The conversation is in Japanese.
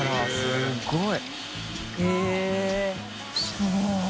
すごい。